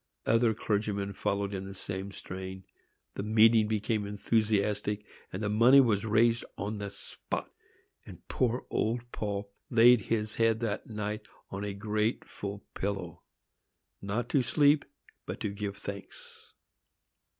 Other clergymen followed in the same strain,—the meeting became enthusiastic, and the money was raised on the spot, and poor old Paul laid his head that night on a grateful pillow,—not to sleep, but to give thanks!